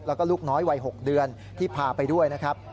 แล้วก็ลูกน้อยวัย๖เดือนที่พาไปด้วยนะครับ